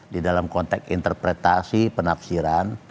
di dalam konteks interpretasi penafsiran